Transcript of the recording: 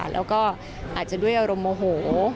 แล้วก็อาจจะด้วยอารมณ์โมโห